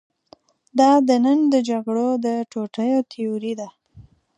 دا د نن د جګړو د توطیو تیوري ده.